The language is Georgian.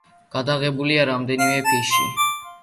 გადაღებულია რამდენიმე ფიში.